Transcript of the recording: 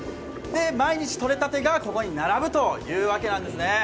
毎日とれたてがここに並ぶというわけなんですね。